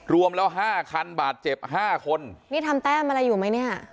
รวมแล้วห้าคันบาดเจ็บห้าคนนี่ทำแต้มอะไรอยู่ไหมเนี่ย